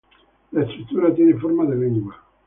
La estructura tiene forma de lengua.